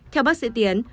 theo bác sĩ tiến